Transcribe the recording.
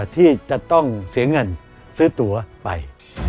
ที่จะต้องเสียเงินซื้อตัวไป